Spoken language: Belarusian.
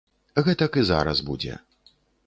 Гэтак і зараз будзе.